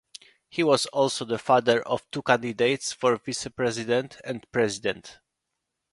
He was also the father of two candidates for Vice-President and President.